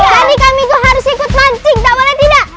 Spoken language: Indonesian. jadi kami tuh harus ikut mancing tak boleh tidak